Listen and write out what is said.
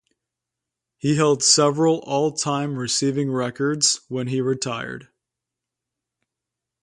He held several all-time receiving records when he retired.